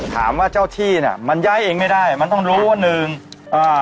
ถามว่าเจ้าที่เนี้ยมันย้ายเองไม่ได้มันต้องรู้ว่าหนึ่งอ่า